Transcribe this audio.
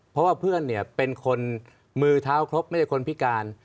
เพราะว่าเพื่อนเนี่ยเป็นคนมือเท้าครบไม่ใช่คนพิการ